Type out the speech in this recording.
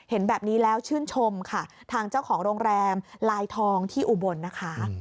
เห็นแบบนี้แล้วชื่นชมค่ะทางเจ้าของโรงแรมลายทองที่อุบลนะคะ